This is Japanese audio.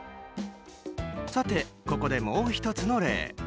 さて、ここでもう１つの例。